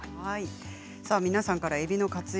皆さんからえびの活用